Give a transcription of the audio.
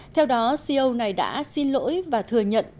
theo đó ceo này đã xin lỗi và thừa nhận